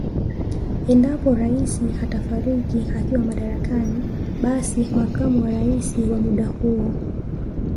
Endapo Rais atafariki akiwa madarakani basi makamu wa Rais wa muda huo